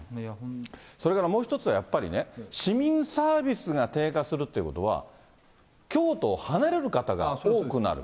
それからもう一つはやっぱりね、市民サービスが低下するということは、京都を離れる方が多くなる。